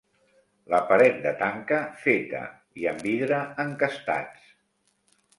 La paret de tanca, feta, i am vidre encastats